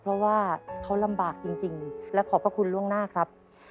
เพราะว่าเขาลำบากจริงและขอบพระคุณล่วงหน้าครับ